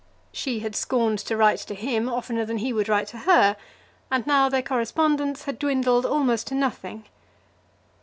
She had scorned to write to him oftener than he would write to her, and now their correspondence had dwindled almost to nothing.